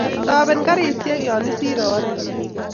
toben karisiek ya isirei oret